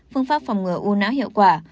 phương pháp phòng ngừa u não hiệu quả